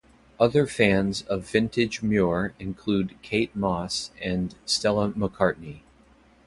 Other fans of vintage Muir include Kate Moss and Stella McCartney.